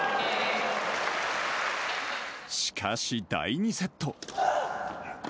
しかし第２セット。